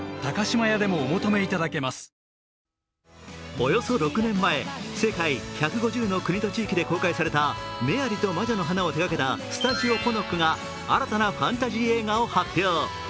およそ６年前、世界１５０の国と地域で公開された「メアリと魔女の花」を手がけたスタジオポノックが新たなファンタジー映画を発表。